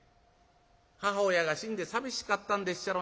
母親が死んで寂しかったんでっしゃろな。